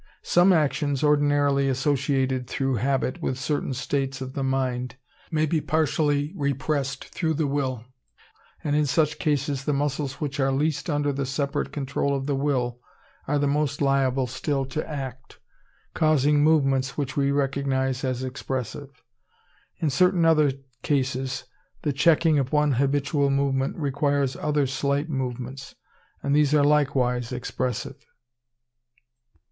Some actions ordinarily associated through habit with certain states of the mind may be partially repressed through the will, and in such cases the muscles which are least under the separate control of the will are the most liable still to act, causing movements which we recognize as expressive. In certain other cases the checking of one habitual movement requires other slight movements; and these are likewise expressive.